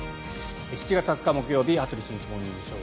７月２０日、木曜日「羽鳥慎一モーニングショー」。